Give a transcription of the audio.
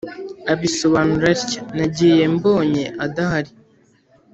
Abisobanura atya nagiye mbonye adahari